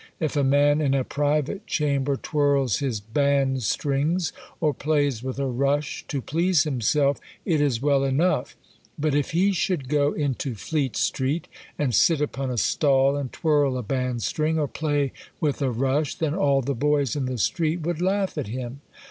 If a man in a private chamber twirls his band strings, or plays with a rush to please himself, it is well enough; but if he should go into Fleet street, and sit upon a stall and twirl a band string, or play with a rush, then all the boys in the street would laugh at him."